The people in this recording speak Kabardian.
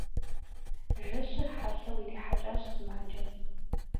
Жэщыр хьэлъэу ирихьэкӀащ сымаджэм.